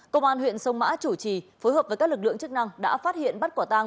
công an huyện sông mã chủ trì phối hợp với các lực lượng chức năng đã phát hiện bắt quả tang